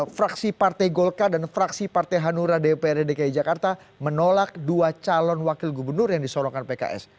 fraksi partai golkar dan fraksi partai hanura dprd dki jakarta menolak dua calon wakil gubernur yang disorongkan pks